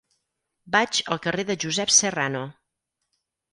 Vaig al carrer de Josep Serrano.